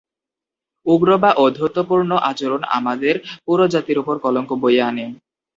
উগ্র বা ঔদ্ধত্যপূর্ণ আচরণ আমাদের পুরো জাতির ওপর কলঙ্ক বয়ে আনে।